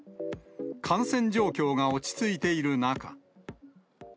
感染状況が落ち着いている中。